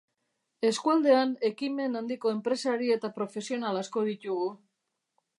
Eskualdean ekimen handiko enpresari eta profesional asko ditugu.